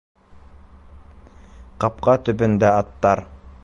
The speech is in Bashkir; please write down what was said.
Ҡапҡа төбөндә аттар!